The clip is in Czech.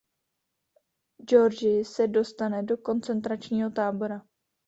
György se dostane do koncentračního tábora.